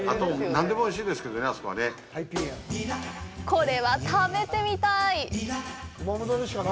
これは食べてみたい！